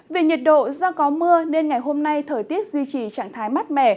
về nhiệt độ do có mưa nên ngày hôm nay thời tiết duy trì trạng thái mát mẻ